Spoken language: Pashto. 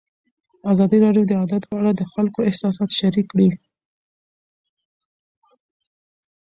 ازادي راډیو د عدالت په اړه د خلکو احساسات شریک کړي.